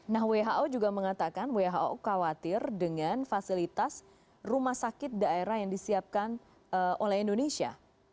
nah who juga mengatakan who khawatir dengan fasilitas rumah sakit daerah yang disiapkan oleh indonesia